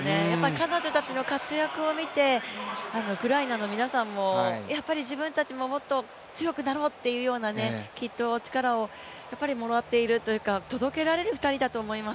彼女たちの活躍を見てウクライナの皆さんも自分たちももっと強くなろうというような、きっと力をもらっているというか届けられる２人だと思います。